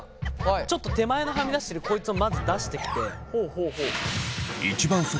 ちょっと手前のはみ出しているこいつをまず出してきて。